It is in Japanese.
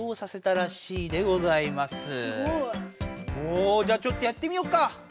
おじゃちょっとやってみよっか！